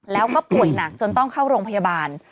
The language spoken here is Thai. แล้วก็ป่วยหนักจนต้องเข้าโรงพยาบาล